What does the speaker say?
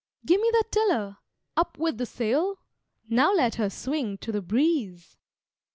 Give me the tiller; up with the sail! Now let her swing to the breeze.